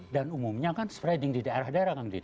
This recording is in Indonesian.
dan umumnya kan spreading di daerah daerah kang dede